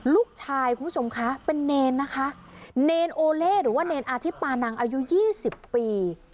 ลูกชายคุณผู้ชมคะเป็นเนรนะคะเนรโอเล่หรือว่าเนรอธิปานังอายุ๒๐ปี